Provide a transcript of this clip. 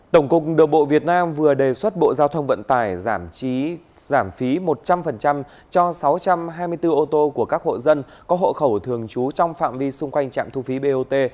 tổng cục đường bộ việt nam vừa đề xuất bộ giao thông vận tải giảm phí một trăm linh cho sáu trăm hai mươi bốn ô tô của các hộ dân có hộ khẩu thường trú trong phạm vi xung quanh trạm thu phí bot